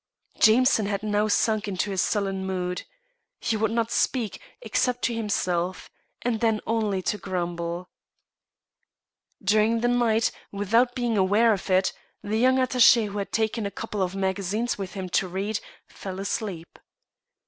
Jameson had now sunk into a sullen mood. He would not speak, except to himself, and then only to grumble. During the night, without being aware of it, the young attaché, who had taken a couple of magazines with him to read, fell asleep.